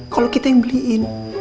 kalo kita yang beliin